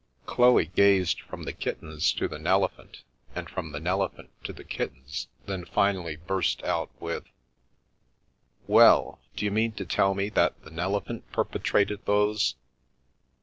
Chloe gazed from the kittens to the Nelephant, and from the Nelephant to the kittens, then finally burst out with: "Well! D'you mean to tell me that the Nelephant perpetrated those?